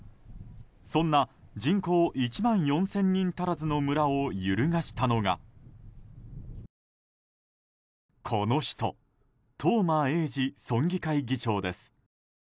そんな人口１万４０００人足らずの村を揺るがしたのがこの人東間永次村議会議長です。